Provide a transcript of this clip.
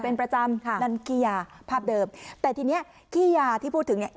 เป็นประจำค่ะนั่นขี้ยาภาพเดิมแต่ทีเนี้ยขี้ยาที่พูดถึงเนี้ย